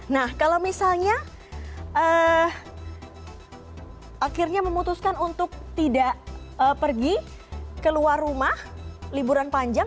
nah kalau misalnya akhirnya memutuskan untuk tidak pergi keluar rumah liburan panjang